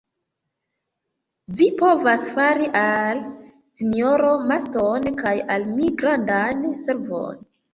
Vi povas fari al sinjoro Marston kaj al mi grandan servon.